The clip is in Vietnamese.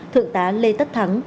thượng tá lê tất thắng